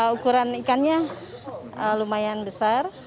ukuran ikannya lumayan besar